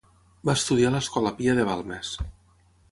Va estudiar a l'Escola Pia de Balmes.